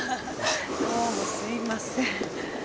どうもすみません。